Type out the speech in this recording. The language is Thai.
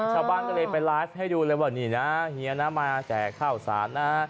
ชาวบ้านก็เลยไปไลฟ์ให้ดูเลยว่านี่นะเฮียนะมาแจกข้าวสารนะ